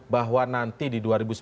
bahwa nanti di dua ribu sembilan belas